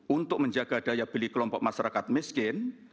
untuk menjaga daya beli kelompok masyarakat miskin